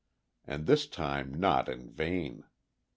And this time not in vain.